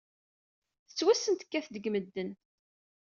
Tettwassen tekkat-d deg medden.